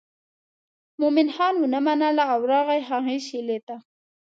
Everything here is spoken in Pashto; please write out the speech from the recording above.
مومن خان ونه منله او راغی هغې شېلې ته.